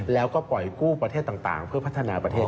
แล้วก็ปล่อยกู้ประเทศต่างเพื่อพัฒนาประเทศ